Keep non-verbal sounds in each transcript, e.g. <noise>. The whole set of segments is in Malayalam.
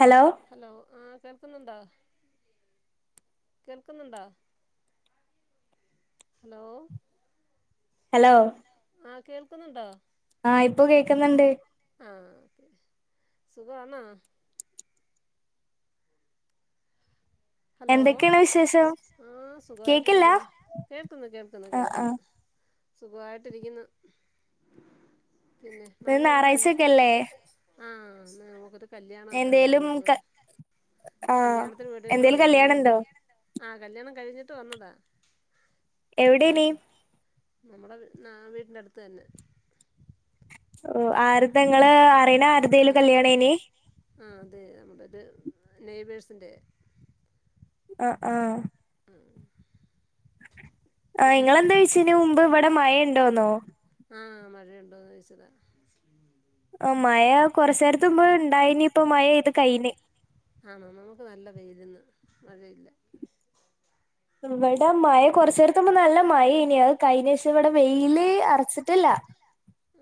ഹലോ ഹലോ ആഹ കേൾക്കുന്നുണ്ടാ കേൾക്കുന്നുണ്ടാ ഹലോ ഹലോ ആ കേൾക്കുന്നുണ്ടോ ആഹ ഇപ്പൊ കേൾക്കുന്നുണ്ട് സുഖാണോ ഹലോ എന്തൊക്കെയാണ് വിശേഷം ആ കേക്കില്ല സുഖമായിട്ടിരിക്കുന്നു കേൾക്കന്ന് കേൾക്കുന്നു ആഹ് ആഹ് കേൾക്കന്ന് സുഖമായിട്ടി ഇരിക്കുന്നു ഇന്ന് ഞായറാഴ്ചയക്കെല്ലേ ആ കല്യാണമൊക്കെ ഉണ്ടായിരുന്നു ക ഇപ്പ ആഹ് കല്യാണത്തിന് വീട്ടിലോട്ട് എന്തേലും വന്നതാ കല്യാണം ഉണ്ടോ <unintelligible> ആഹ് കല്യാണം കഴിഞ്ഞിട്ട് വന്നതാ എവിടെ നീ പോയിട്ട് നമ്മുടെ ന വീടിന്റെ അടുത്ത് തന്നെ ഓ ആരിതാ ഇങ്ങള് അറി അരിതിലും അല്ല കല്യാണേനി ആ അതെ നമ്മുടെ ഇത് നെയബേഴ്സിന്റെ ആഹ് ആഹ് ആഹ് പിന്നെ ഇങ്ങളെന്താ ചൊയ്ചേനൂ മുമ്പ് ഇവിടെ മഴയുണ്ട് എണ്ടോന്നോ ആഹ് മഴയുണ്ടോന്ന് ചോദിച്ചതാ ആ മഴ കൊറച്ച് നേരത്തുമ്പ് ഇണ്ടായിനി ഇപ്പൊ മഴ പെയ്ത് കയിന് ആണോ നമുക്ക് നല്ല വെയിലിന്ന് മഴയില്ല ഇവിടെ മഴ കൊറച്ച് നേരത്തുമ്പ് നല്ല മഴേനി അത് കഴിഞ്ഞേശം ഇവിടെ വെയില് അടച്ചിട്ടില്ല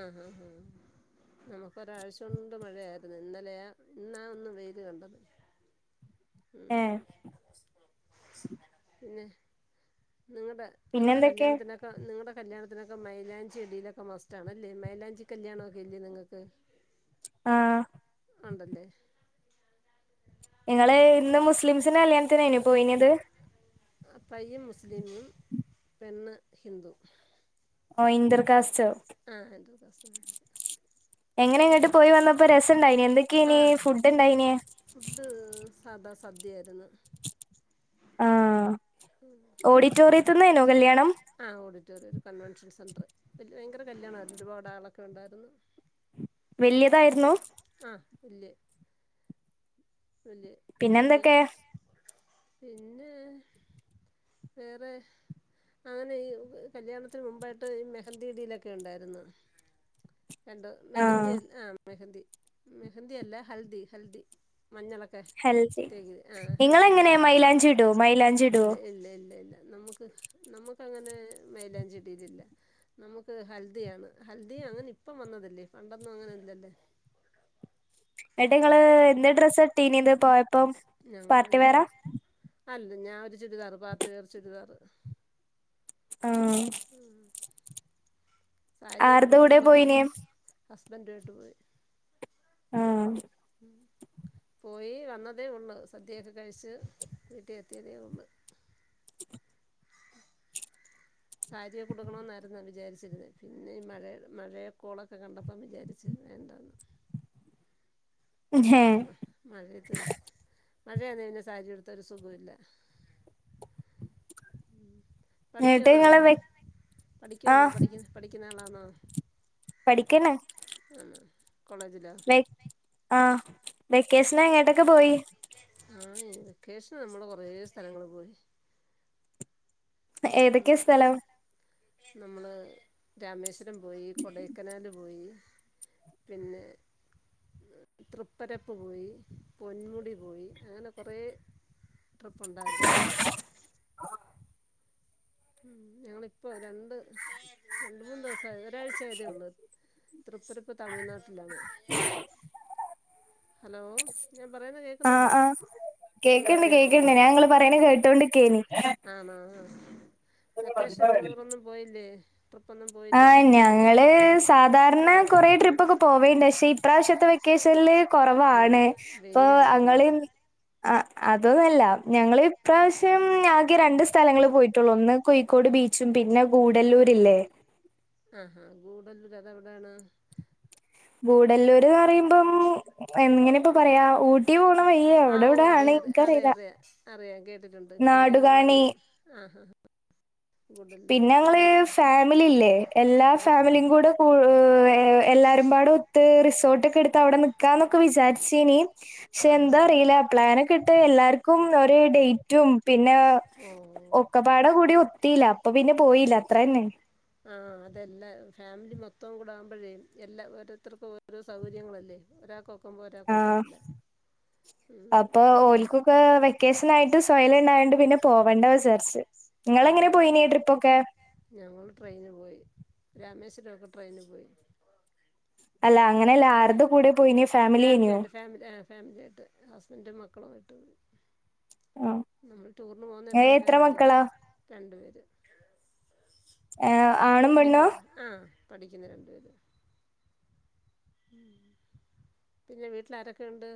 ആഹ് ആഹ് നമുക്ക് ഒരാഴ്ച കൊണ്ട് മഴയായിരുന്നു ഇന്നലെയ ഇന്നാ ഒന്ന് വെയിൽ കണ്ടത് ഉം എഹ് പിന്നെ നിങ്ങളുടെ നിങ്ങളുടെ പിന്നെന്തൊക്കെ കല്യാണത്തിനൊക്കെ നിങ്ങളുടെ കല്യാണത്തിനൊക്കെ മൈലാഞ്ചിടിയിലൊക്കെ മസ്റ്റ് ആണല്ലേ മൈലാഞ്ചി കല്യാണം ഒക്കെ ഇല്ലേ നിങ്ങൾക്ക് ആഹ് ഉണ്ടല്ലേ ഇങ്ങള് ഇന്ന് മുസ്ലിംസിൻ്റെ കല്യാണത്തിനായിനൊ പോയിനത് പയ്യൻ മുസ്ലിമും പെണ്ണ് ഹിന്ദു ഓ ഇൻ്റർ കാസ്റ്റോ ആഹ് ഹിന്ദു കാസ്റ്റ് മാരേജ്. എങ്ങനെ എങ്ങട്ട് പോയി വന്നു ഇപ്പൊ രസം ഇണ്ടായിന് എന്തൊക്കെയേനി ആഹ് ഫുഡ് ഇണ്ടായിനേ ഫുഡ് സാദാ സദ്യയായിരുന്നു ആഹ് ഓഡിറ്റോറിയത്തിന്നായിനോ കല്യാണം മറ്റെ <unintelligible> കൺവെൻഷൻ സെന്റർ ഭയങ്കര കല്യാണ ഒരുപാട് ആളൊക്കെ ഉണ്ടായിരുന്നു വലിയതായിരുന്നോ ആഹ് വല്യ വല്യ വല്യ പിന്നെന്തൊക്കെ പിന്നെ വേറെ അങ്ങനെ ഈ കല്യാണത്തിന് മുമ്പായിട്ട് ഈ മെഹന്തിടിയിലൊക്കെ ഉണ്ടായിരുന്നു രണ്ടോ ആ മെഹന്തി ആഹ് മെഹന്തി മെഹന്തി അല്ല ഹൽദി ഹൽദി മഞ്ഞളൊക്കെ ഹെൽത്തി തേക്ക് ആ ഹൽദി ക നിങ്ങളെങ്ങനെ മൈലാഞ്ചി ഇടോ മൈലാഞ്ചി ഇടുവോ ഇല്ല ഇല്ല ഇല്ല ഇല്ല നമുക്ക് നമുക്ക് അങ്ങനെ മേലാൻ ചെടിയിലല്ല നമുക്ക് ഹൽദിയാണ് ഹൽദി അങ്ങനെ ഇപ്പം വന്നതല്ലേ പണ്ടൊന്നും അങ്ങനെ ഇല്ലല്ലേ ഏട്ടാ നിങ്ങള് എന്ത് ഡ്രസ്സ്ട്ടീനിീന്ന് പോയ ഇപ്പം ഞങ്ങൾ പാർട്ടി ഞാൻ വേറാ അല്ല ഞാാന ഒരു ചുരിദാറ് പാർട്ട് വേർ ചുരിദാറ് ആ ഉ സാരിയൊക്ക ആർടെ കൂടെ പോയിനെ കൊടുക്കണന്നുണ്ടത് ഹസ്ബൻഡ്ോട്ട് പോയി ആഹ പോയി വന്നതേ ഉള്ളു സദ്യയൊക്കെ കഴിച്ച് വീട്ടിൽ എത്തിയതേ ഉള്ളു സാരിയെ കൊടുക്കണ എന്നായിുന്ന വിചാരിച്ചിരുന്ന പിന്നെ ഈ മഴ മഴയക്കോളൊക്കെ കണ്ടപ്പം വിചാരിച്ചു വേണ്ടന്ന് ഹേ ആ മാത് മഴയന്നതിന് സാരിയ എടുത്തരു സുഖമില്ല എന്നിട്ട് പഠിക്കന്നന്ന നിങ്ങള് വെ ആ പഠിക്കുവന്ന പഠിക്ക പഠിക്കുന്ന ആളന്നോ ഉ പഠിക്കേന ആണ ലൈക് ആഹ വെക്കേഷൻ അങ്ങോട്ടൊക്കെ പോയി ആ വെക്കേഷൻ നമ്മള് കൊറെ സ്ഥലങ്ങള്ൾ പോയി ഏതൊക്കെ സ്ഥലം നമ്മള് രാമേശ്വരം ം പോയി കൊടൈക്കനാൽ പോയി പിന്നെ തൃപ്പരപ്പ് പോയി പൊന്മുടി പോയി അങ്ങനെ കുറെേ ട്രിപ്പുണ്ടായിരുന്നു ഉ ഞങ്ങളിപ്പോ രണ്ട് രണ്ട മൂന്ന് ദിവസം ഒരാഴ്ച ആതേള്ളു തൃപ്പുരപ്പ തമിഴ്നാട്ടിലാണ് ഹലോ ഞാൻ പറയുന്ന ആഹ് കേക്കുന്നുണ്ടോ ആഹ് കേക്ക്ണ്ട് കേക്ക്ണ്ട് ഞാൻ ഇങ്ങള് പറയണ കേട്ടോണ്ട്ക്കേനി ആണോ വെക്കേഷൻ ടൂറ ഒന്നും പോയില്ലേ ട്രിപ്പൊന്നും ആ പോയില്ലേ ഞങ്ങള് സാധാരണ കൊറ ട്രിപ്പ്ൊക്കെ പോവേണ്ട് പക്ഷെ ഇപ്രാവശ്യത്തെ വെക്കേഷനിില് വെയി കുറവാണ് അപ്പൊ വെയിലല്ലായിരുന്നോ അങ്ങളും ആ അതൊന്നല്ല ഞങ്ങള് ഇപ്രാവശ്യം ആകെ രണ്ട് സ്ഥലങ്ങള് പോയിട്ടുള്ളൂ ഒന്ന് കോഴിക്കോട് ബീച്ചും പിന്നെ കൂടല്ലൂരില്ലേ ആഹഹാ ഗൂടല്ലൂര് അത എവിടെയാണ് ഗൂടല്ലൂര്ന്ന് പറയുമ്പം എങ്ങനെ ഇപ്പ പറയാ ഊട്ടി പോ ആഓ അറിയാംറ അറിയ അറിയ അറിയാം കേട്ടിട്ടുണ്ട് ഇപ്പഴേ നല്ല നാടുകാണി ആ പിന്നെ ഞങ്ങള് ഫാമിലില്ലേ എല്ലാ ഉം ഫാമിലിയും കൂടെ കൂ എല്ലാരുംപാടേ ഒത്ത് റിസോർട്ട് ട്ടൊക്ക എടുത്ത് അവിടെ നിക്കാന്നൊക്കെ വിചാരിചീനീ ആ പക്ഷെ ആഹ് ആഹ് ആഹ് എന്താ അറീല പ്ലാൻഒക്കെ ഇട്ട് എല്ലാർക്കും ഒരു ഡേറ്റും പിന്നെ ഓ ഒക്കപാട കൂടി ഒ ല. അപ്പൊ പിന്നെ പോയില്ല അത്രന്നെ. ആ അതെല്ലാ. ഫാമിലി മൊത്തം കൂടെ ആകുമ്പഴേ എല്ലാ ഓരോരുത്തർക്കും ഓരോ സൗകര്യങ്ങളല്ലേ ഒരാൾക്കൊ ആ അപ്പൊ ഉം ഓൽക്കൊക്കെ വെക്കേഷനായിട്ട് സൊയലെ ണ്ടായോണ്ട് പിന്നെ പോവണ്ട വിചാരിച്ച്. ഓ ഇങ്ങളങ്ങനെ പോയിന്യെ ട്രിപ്പ്‌ഒക്കെ? ഞങ്ങളൊക്കെ ട്രെയിനി പോയി. അല്ല അങ്ങനെല്ല. ആരുടെ കൂടെ പോയീന്യെ ഫാമിലീന്യോ? ഫാമിലിയായിട്ട് ക്കളുമായിട്ട് നമ്മൾ ടൂറിന് പോകുന്നെ എപ്പഴും എത്ര ഫാമിലിആയിട്ടാ മക്കളാ രണ്ടുപേർ ഏഹ് <inaudible> ആണും പെണ്ണുവാ പഠിക്കും ആഹ് പഠിക്കുന്ന രണ്ടു പേര് ഉം പിന്നെ വീട്ടില് ആരൊക്കെ ഉണ്ട്?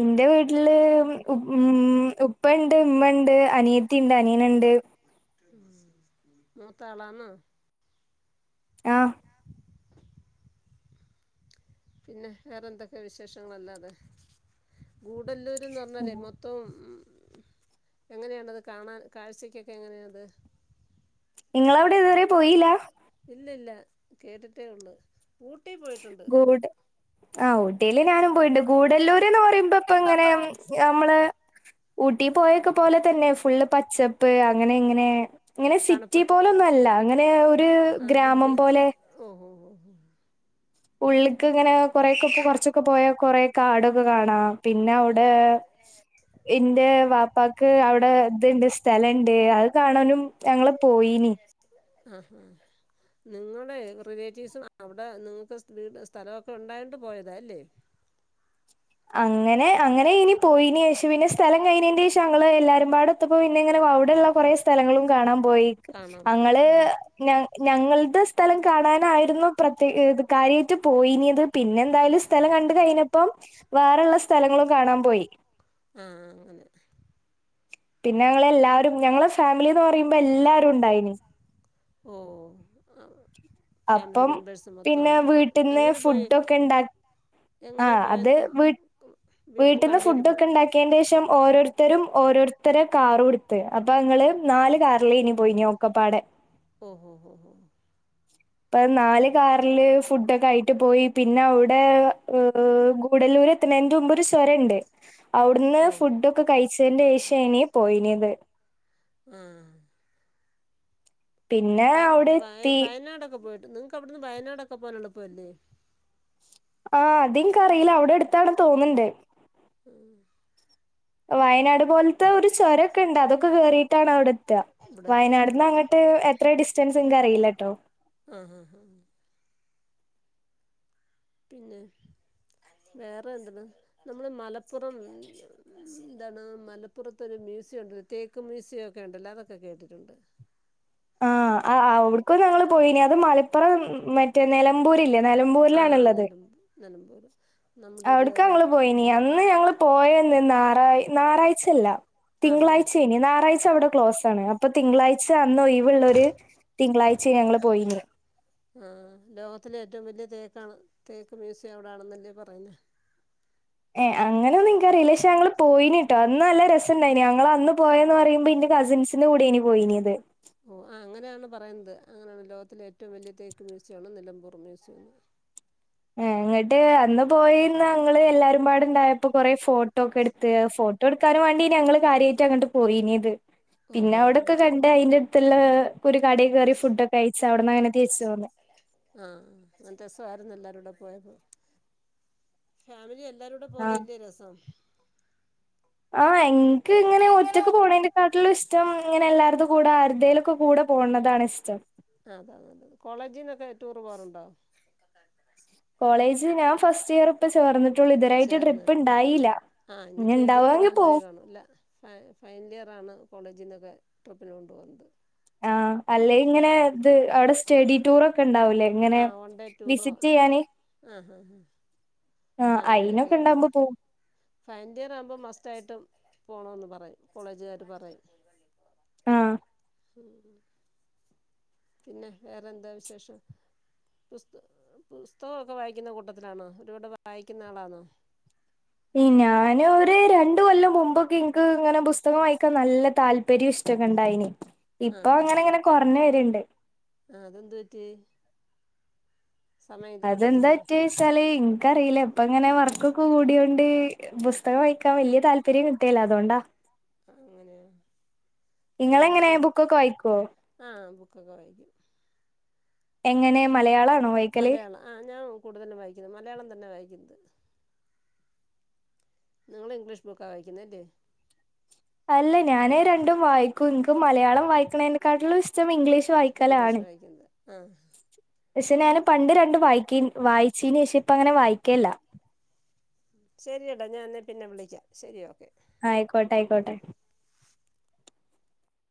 ഇന്റെ വീട്ടില് മ് മ് മ് ഉപ്പ, ണ്ട് ഉമ്മണ്ട്, അനിയത്തിണ്ട്, അനിയനുണ്ട് മൂത്ത ആളാന്നോ? ആ പിന്നെ വേറെന്തൊക്കെ വിശേഷങ്ങളല്ലാതെ? ഗൂഡല്ലൂ <unintelligible> പറഞ്ഞാലേ മൊത്തം <unintelligible> എങ്ങനെയാണ്ടത് കാണാൻ കാഴ്ചക്കൊക്കെ എങ്ങനെയാത് നിങ്ങളവിടെ ഇതുവരെ പോയില്ലാ ഇല്ല ഇല്ല കേട്ടിട്ടേ ഉള്ളൂ ഊട്ടി പോയിട്ടുണ്ട് ആ ഊട്ടീല് ഞാനും പോയിട്ടുണ്ട് ഗൂഡല്ലൂർ ന്ന് പറയുമ്പോ ഇപ്പ ഇങ്ങനെ നമ്മള് ഊട്ടി പോയൊക്കെ പോലെ തന്നെ ഫുള്ള് പച്ചപ്പ് അങ്ങനെ ഇങ്ങനെ ഇങ്ങനെ സിറ്റി തണുപ്പൊക്കെ പോലൊന്നും അല്ല അങ്ങനെ ഒരു ഗ്രാമം പോലെ മ് ഉള്ള്ക്ക്ങ്ങനെ കൊറൊക്കെ ഇ കുറച്ചൊക്കെ പോയാ കൊറേ കാടൊക്കെ കാണാം പിന്നെ അവിടെ ഇന്റെ വാപ്പാക്ക് അവിടെ- ഇണ്ട് സ്ഥലണ്ട് അത് കാണാനും ഞങ്ങള് പോയീനി ആ നിങ്ങ- മ്മടെ റിലേറ്റീവ്സും അവിടെ നിങ്ങൾ വീടും സ്ഥലമൊക്കെ ഉണ്ടായോണ്ട് പോയത അല്ലേ അങ്ങനെ അങ്ങനെ ഇനി പോയിനെശേഷം പിന്നെ സ്ഥലം കഴിഞ്ഞതിന്റെ ശേഷം ങ്ങള് എല്ലാരും ഒത്തപ്പോ പിന്നെ ഇങ്ങനെ അവിടെഉള്ള കുറേ സ്ഥലങ്ങളും കാണാൻ പോയി കാണാൻ പോയി അങ്ങള് ഉം ന ഞങ്ങളുടെ സ്ഥലം കാണാനായിരുന്നു പ്രത്യേ കാര്യായിട്ട് പോയിനത് പിന്നെ എന്തായാലും സ്ഥലം കണ്ട് കഴിഞ്ഞപ്പം വേറെള്ള സ്ഥലങ്ങളും കാണാൻ പോയി ആ അങ്ങനെ പിന്നെ ഞങ്ങളെ എല്ലാവരും ഞങ്ങളെ ഫാമിലിന്ന് പറയു മ്പം എല്ലാരും ഉണ്ടായിന് ഓ ഫാമിലി അപ്പം മെമ്പേഴ്സ് മൊത്തം പിന്നെ ഉണ്ടായിരുന്നു വീട്ടിൽന്ന് എങ്ങനെ പോയി ഫുഡൊക്കെ ഉണ്ട ആ എങ്ങനെ അത് പോയത് വീട്ട് വീട്ടിൽന്ന് വണ്ടിയിൽ പോയി ഫുഡൊക്കെ ഉണ്ടാക്കിയ ശേഷം ഓരോരുത്തരും ഓരോരുത്ത ഇത്ത കാറും കൊടുത്ത് അപ്പൊ ങ്ങള് നാല് കാറിലെന്നു പോയിന് ഓക്കപ്പാടെ ഓ ഓ ഓ ഓ ഇപ്പ നാല് കാറില് ഫുഡ ഒക്കെ ആയി പോയി പിന്നെ അവിടെ ഹ ഗൂടലൂര് എത്തുന്നതിന്റെ മുമ്പ് ഒരു ചുരം ഉണ്ട് അവിടുന്ന് ഓ ഫുഡ്ക്കെ കഴിച്ചതിന്റെ ശേശേനു പോയിനത് ആ പിന്നെ വ അവിടെ വ എത്തി വയനാടക്കെ പോയിട്ട് നിങ്ങക്ക് അവിടുന്ന് വയനാടൊക്കെ പോവാന് എളുപ്പല്ലേ ആ അത് എനിക്കറിയില്ല അവിടെ എടുത്തണെന്ന് തോനുണ്ട് ഉം. വയനാട് പോലത്തെ ഒരു ചുരൊക്കെ ഉണ്ട് അതൊക്കെ കേറിട്ടാണ് അവിടെ ഏ ത്ത ഇവിടെ എത്തിയിട്ട് വയനാടിന് അങ്ങോട്ട് എത്ര ഡിസ്റ്റൻസ് അറിയില്ല കേട്ടോ ആ ആ പിന്നെ വേറെ എന്താണ് നമ്മള് മലപ്പുറം എന്താണ് മലപ്പുറത്തരു മ്യൂസിയം ഉണ്ട് തേക്ക് മ്യൂസിയംക്കെ ഉണ്ടല്ലോ അതൊക്കെ കേട്ടിട്ടുണ്ട് ആഹ അവിടുക്കും ഞങ്ങൾ പോയിനി അത് മലപ്പുറം മറ്റേ നിലമ്പൂരില്ലേ ആഹ് നിലമ്പൂരിലണുള്ളത് നിലം നിലമ്പൂര് നമ്മുടെ ഒരു അവിടക് റിൽ ഞങ്ങൾ പോയിന്ന് അന്ന് ഞ പോയ നാറാ ഞാറാച്ചല്ല ആഹാ തിങ്കളാഴ്ച്ച നു നാറായ്ച്ച അവിടെ ക്ലോസ് ആണ് അപ്പൊ തിങ്കളാഴ്ച അന്ന് ഒഴിവ് ള്ളരു തിങ്കളാഴ്ച ഞങ്ങൾ പോയിന്നു ആഹ് ലോകത്തിലെ ഏറ്റവും വലിയ തേക്ക് മ്യൂസിയം അവിടെ ആണെന്നല്ലേ പറയുന്ന് ഏ അങ്ങനൊന്നുംനിക്കറിയില്ല പക്ഷെ ഞങ്ങൾപോയിനട്ടോ അന്ന് നല്ല രസംണ്ടായിന് ഞങ്ങൾ അന്ന് പോയന്ന് പറയുമ്പോ ഇന്റെ കസിൻസിന്റെ കൂടെന് പോയിനത് ഓ ആ അങ്ങനെയാണ് പറയുന്നത് അങ്ങനെയാണ് ലോകത്തിലെ ഏറ്റവും വലിയ തേക്ക് മ്യൂസിയമാണ് നിലമ്പൂർ മ്യൂസിയം ഏ ഇങ്ങിട്ട് അന്ന് പോയിന്ന് ഞങ്ങൾ എല്ലാരുംപാടുണ്ടായപ്പോ കൊറെ ഫോട്ടോ ഫോട്ടോക്കെ എടുത്ത് ഫോട്ടോ എടുക്കാനും വേണ്ടി ഞങ്ങള് കാര്യയിട്ട് അങ്ങട്ട് പോയിനത് പിന്നെ ഓഹോ ഹോ അവിടൊക്കെ കണ്ട് അയിന്റെ അടുത്തുള്ള ഒരു കടയിൽ കയറി ഫുഡൊക്കെ കയിച്ച് അവിടന്നനെ തിരിച്ച് പോന്നു പോയപ്പം ഫാമിലി <unintelligible> എല്ലാരൂട പോന്നേല്ലേ രസം ആഹ് എൻക്ക് ഇങ്ങനെ ഒറ്റക്ക് പോണന്റെക്കാട്ടില്ഇഷ്ടം ഇങ്ങനെ എല്ലാരതും കൂടെ ആരതേ ലൊക്കെ കൂട പോണതാണ് ഇസ്തം <unintelligible> കോളേജിന്നൊക്കെ ടൂറ് പോവാറുണ്ടോ കോളേജ് ഞാൻ ഫസ്റ്റ് ഇയർ ഇപ്പ ചേർ ചേർന്നേള്ളൂ ആ അഞ് ഇനി തേർഡിയർ ഇണ്ടാവാങ്കി ആവുമ്പഴേ പോവും കാണുംല്ല ഫ ഫൈൻലിയറാണ് കോളേജിന്നൊക്കെ ട്രിപ്പിന് കൊണ്ടോവുന്നത് ആ അല്ലെ ഇങ്ങനെ ഇത് അവിട സ്റ്റഡിടൂറൊകെ ണ്ടാവൂലേ ഇങ്ങനെ ആഹ് വൺ വിസിറ്റ് ചെയ്യാന് <unintelligible> <unintelligible> ആഹ് അങ്ങനയൊക്കെ അയിനൊക്കെ ഇണ്ടാവുമ്പോ പോവും ഫൈന്റിയർ ആവുമ്പോ മസ്റ്റായിട്ടും പോണോന്ന് പറയും കോളേജുകാര് പറയും ആ പിന്നെ വേറെന്താ വിശേഷം പുസ്ത പുസ്തകോക്കെ വായിക്കുന്ന കൂട്ടത്തിലാണ ഒരുപാട് വായിക്കുന്ന ആളാന്നോ ഞാന് ഒരു രണ്ട്കൊല്ലം മുമ്പൊക്കെ ഇങ്ക് ഇങ്ങനെ ബുസ്തകം വായിക്കാൻ നല്ല താല്പര്യം ഇഷ്ടൊക്കെ ഉണ്ടായിനി ഇപ്പൊ ആഹ് ആഹ് അങ്ങനങ്ങനെ കൊറഞ്ഞ് വരുണ്ട് ആഹ് അതെന്ത് പറ്റി സമയം കിട്ടത്തില്ലേ അതെന്താറ്റ്സാല് നിങ്ക്ക്കറീല്ല അപ്പ ഇങ്ങന വർക് കൂടിഉണ്ട് ബുസ്തകവായിക്കാൻ വല്യ താല്പര്യം കിട്ടേല അതോണ്ടാ അങ്ങനെയ <unintelligible> ഞാൻ ഇങ്ങളെങ്ങനെ വിചാരിച്ച് ബുക്കൊക്കെ വായിക്കോ ആ ബുക്കൊക്കെ വായിക്കും എങ്ങനെ മലയാളാണോ വായിക്കല് മലയാളം ആ ഞാൻകൂടുതലും വായിക്കുന്ന മലയാളം തന്നെ വായിക്കുന്നത് നിങ്ങള് ഇംഗ്ലീഷ് ബുക്കാ വായിക്കുന്നേല്ലേ അല്ല ഞാന് രണ്ടും വായിക്കും നിക്കും മലയാളം വായിക്കുന്നതിനെക്കാട്ടിലും ഇഷ്ടം ഇംഗ്ലീഷ് ഇഷ്ടം ഇംഗ്ലീഷ് വായിക്കലാണ് വായ്ക്കുന്നത് ആ പക്ഷെ ഞാന് പണ്ട് രണ്ട് വായിക്കിൻ വായിച്ചീനേശം ഇപ്പ അങ്ങനെ വായിക്കല്ല ശരിയടാ ഞാന്നെപിന്നെ വിളിക്കാം ശരി ഓക്കെ ആയിക്കോട്ടെ ആയിക്കോട്ടെ